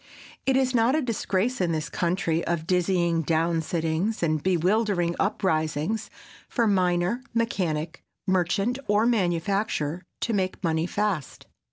It is not a disgrace in this country of dizzying down sittings and bewildering uprisings, for miner, mechanic, merchant or manufacturer to make money fast.